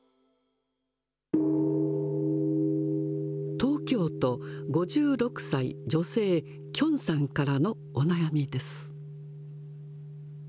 東京都、５６歳、女性、きょんさんからのお悩みです。